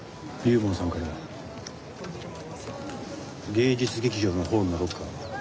芸術劇場のホールのロッカー。